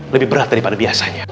lebih berat daripada biasanya